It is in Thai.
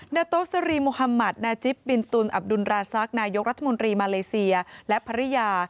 นาโตสรีมุฮัมมัธนาจิปบินตุลอับดุลราซักนายกรัฐมนตรีมาเลเซียและภรรยา